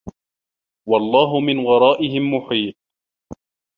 وَاللَّهُ مِن وَرائِهِم مُحيطٌ